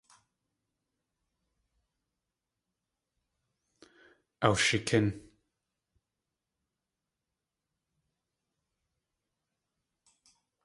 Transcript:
Awshikín.